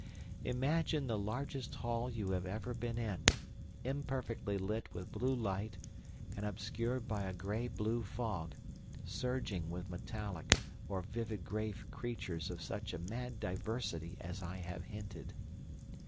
"Imagine the largest hall you have ever been in, imperfectly lit with blue light and obscured by a grey blue fog, surging with metallic or livid grey creatures of such a mad diversity as I have hinted.